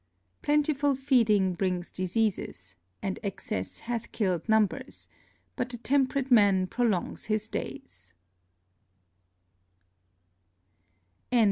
_Plentiful Feeding brings Diseases, and Excess hath killed Numbers; but the temperate Man prolongs his Days.